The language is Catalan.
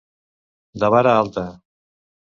De vara alta.